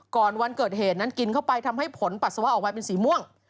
ก่อนวันเกิดเหตุนั้นกินเข้าไปทำให้ผลปัสสาวะออกมาเป็นสีม่วง